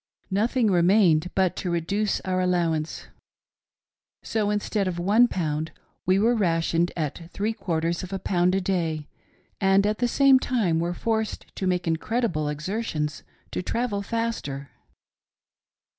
Nothing 14 220 THE POST OFFICE IN THE DESERT. remained but to reduce our allowance ; so, instead of one pound, we were rationed at three quarters of a pound a day, and, at the same time, were forced to make incredible exer tions to travel faster.